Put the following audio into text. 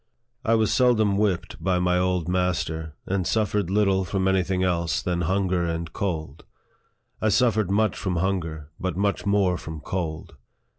I was seldom whipped by my old master, and suf fered little from any thing else than hunger and cold. I suffered much from hunger, but much more from cold.